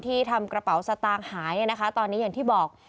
ทำกระเป๋าสตางค์หายตอนนี้อย่างที่บอก